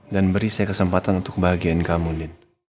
dan beri saya kesempatan untuk kebahagiaan kamu din